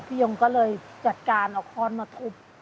ยงก็เลยจัดการเอาค้อนมาทุบ